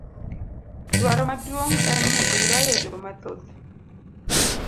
Dwaro maduong' en ni oywayo jo mathoth.